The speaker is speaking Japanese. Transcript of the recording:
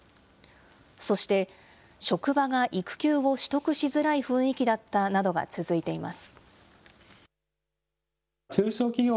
そして、職場が育休を取得しづらい雰囲気だったなどが続いています。